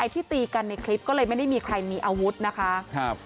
ที่ตีกันในคลิปก็เลยไม่ได้มีใครมีอาวุธนะคะครับ